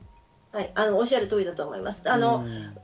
おっしゃる通りだと思います。